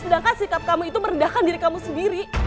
sedangkan sikap kamu itu meredahkan diri kamu sendiri